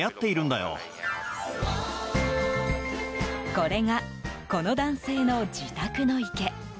これが、この男性の自宅の池。